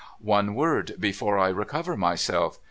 ' One word before I recover myself.